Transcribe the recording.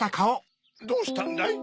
・どうしたんだい？